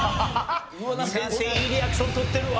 センスいいリアクション取ってるわ！